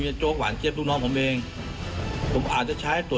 สนุนโดยน้ำดื่มสิง